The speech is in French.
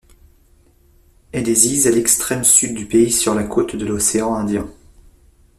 Elle est sise à l'extrême sud du pays sur la côte de l'océan Indien.